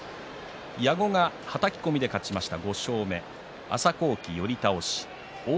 矢後がはたき込みで勝ちました。